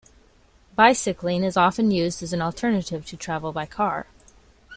Bicycling is often used as an alternative to travel by car.